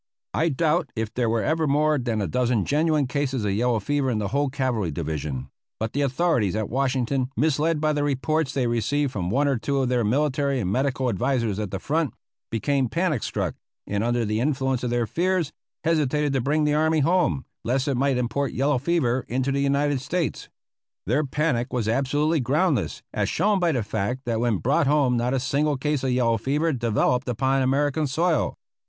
I doubt if there were ever more than a dozen genuine cases of yellow fever in the whole cavalry division; but the authorities at Washington, misled by the reports they received from one or two of their military and medical advisers at the front, became panic struck, and under the influence of their fears hesitated to bring the army home, lest it might import yellow fever into the United States. Their panic was absolutely groundless, as shown by the fact that when brought home not a single case of yellow fever developed upon American soil.